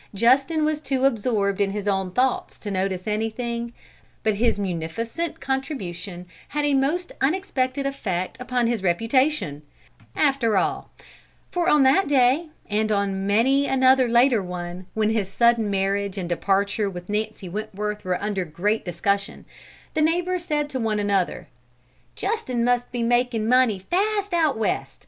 Justin was too absorbed in his own thoughts to notice anything, but his munificent contribution had a most unexpected effect upon his reputation, after all; for on that day, and on many another later one, when his sudden marriage and departure with Nancy Wentworth were under discussion, the neighbours said to one another: "Justin must be making money fast out West!